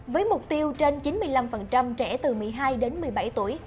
với mục tiêu trên chín mươi năm trẻ từ một mươi hai đến một mươi bảy tuổi